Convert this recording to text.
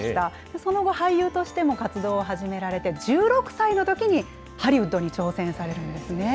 その後、俳優としても活動を始められて、１６歳のときにハリウッドに挑戦されるんですね。